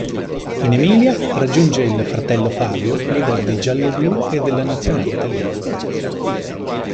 In Emilia raggiunge il fratello Fabio, leader dei gialloblu e della Nazionale Italiana.